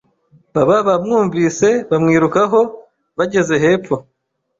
baba bamwumvise bamwirukahoo.. bageze hepfo